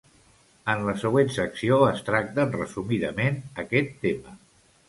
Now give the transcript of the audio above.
En la següent secció es tracten resumidament aquest tema.